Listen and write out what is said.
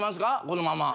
このまま。